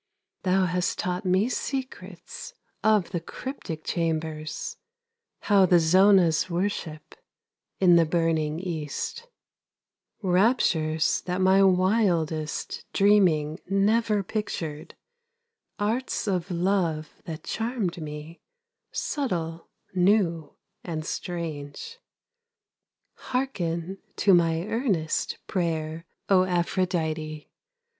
Thou hast taught me secrets Of the cryptic chambers, How the zonahs worship In the burning East; Raptures that my wildest Dreaming never pictured, Arts of love that charmed me, Subtle, new and strange. Hearken to my earnest Prayer, O Aphrodite!